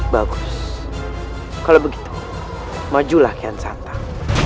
bagus kalau begitu majulah ke ansantah